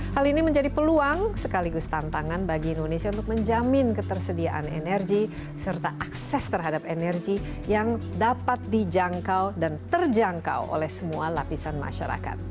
hal ini menjadi peluang sekaligus tantangan bagi indonesia untuk menjamin ketersediaan energi serta akses terhadap energi yang dapat dijangkau dan terjangkau oleh semua lapisan masyarakat